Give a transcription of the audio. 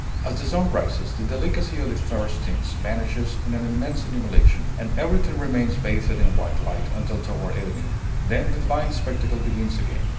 As the sun rises, the delicacy of the first tints vanishes in an immense illumination, and everything remains bathed in white light until toward evening. Then the divine spectacle begins again.